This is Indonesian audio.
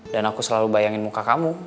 dan aku selalu bayangin muka kamu